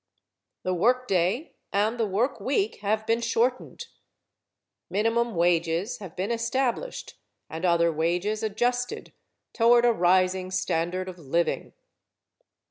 The work day and the work week have been shortened. Minimum wages have been established and other wages adjusted toward a rising standard of living.